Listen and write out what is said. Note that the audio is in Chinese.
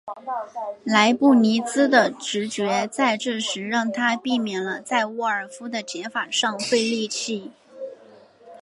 莱布尼兹的直觉在这时让他避免了在沃尔夫的解法上费力气。